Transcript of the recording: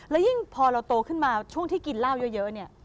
แล้วยิ่งพอเราโตขึ้นมาช่วงที่กินเหล้าเยอะเนี่ย